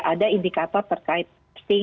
ada indikator terkait